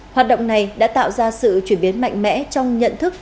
hoạt động này đã tạo ra sự chuyển biến mạnh mẽ trong nhận thức